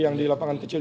lebih tak berkontrol